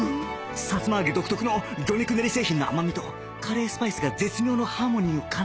さつま揚げ独特の魚肉練り製品の甘みとカレースパイスが絶妙のハーモニーを奏でている